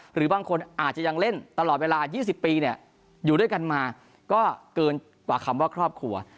หรือบางคนอาจจะยังเล่นตลอดเวลา๒๐ปีเนี่ยอยู่ด้วยกันมาก็เกินกว่าคำว่าครอบครัว